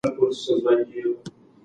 هغه د سدوزیو لپاره توره ووهله.